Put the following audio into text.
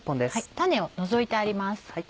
種を除いてあります。